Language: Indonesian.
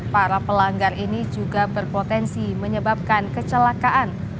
para pelanggar ini juga berpotensi menyebabkan kecelakaan